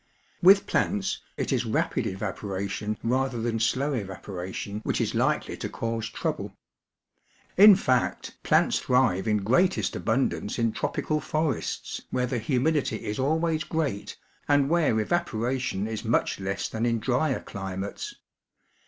With plants it is rapid evaporation rather than slow evaporation which is likely to cause trouble. In fact, plants thrive in greatest abundance in tropical forests where the humidity is always great and where evaporation is much less than in drier climates.